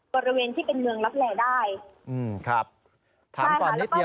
บริเวณที่เป็นเมืองรับแร่ได้